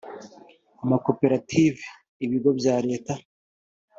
amakoperative ibigo bya leta